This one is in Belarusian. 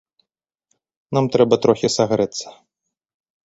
Нам трэба трохі сагрэцца.